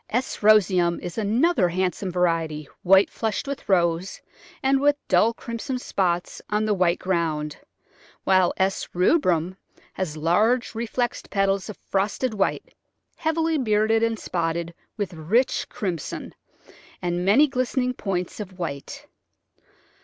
S. Roseum is another handsome variety, white flushed with rose, and with dull crimson spots on the white ground; while S. rubrum has large reflexed petals of Digitized by Google 1 82 The Flower Garden [Chapter frosted white, heavily bearded and spotted with rich crimson, with many glistening points of white.